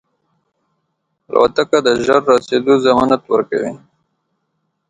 الوتکه د ژر رسېدو ضمانت ورکوي.